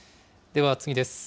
では次です。